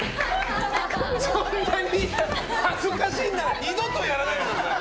そんなに恥ずかしいなら二度とやらないでください！